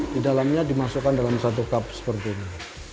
di dalamnya dimasukkan dalam satu kap seperti ini